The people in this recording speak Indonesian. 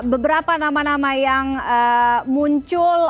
beberapa nama nama yang muncul